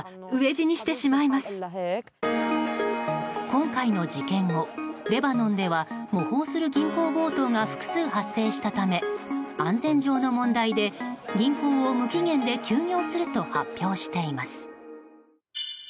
今回の事件後、レバノンでは模倣する銀行強盗が複数発生したため安全上の問題で銀行を無期限で休業すると発表しています。